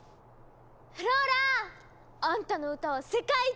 フローラ！あんたの歌は世界一！